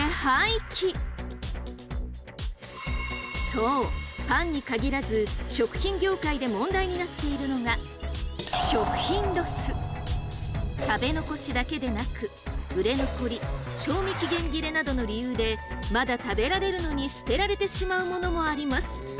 そうパンに限らず食品業界で問題になっているのが食べ残しだけでなく売れ残り賞味期限切れなどの理由でまだ食べられるのに捨てられてしまうものもあります。